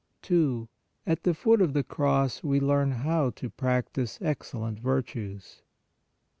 2. AT THE FOOT OF THE CROSS WE LEARN HOW TO PRACTISE EXCELLENT VIRTUES.